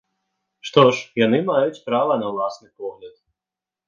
Што ж, яны маюць права на ўласны погляд.